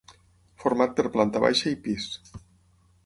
Format per planta baixa i pis.